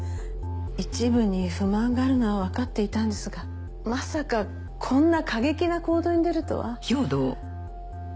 一部に不満があるのはわかっていたんですがまさかこんな過激な行動に出るとは。